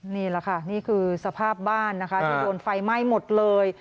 นี่แหละค่ะนี่คือสภาพบ้านนะคะที่โดนไฟไหม้หมดเลย